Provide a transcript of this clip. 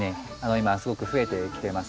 今すごく増えてきてます。